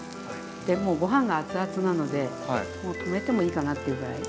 でもうご飯がアツアツなのでもう止めてもいいかなっていうぐらい。